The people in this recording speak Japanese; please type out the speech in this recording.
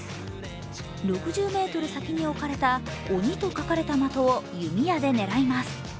６０ｍ先に置かれた鬼と書かれた的を弓矢で狙います。